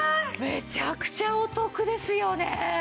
めちゃくちゃお得ですよね！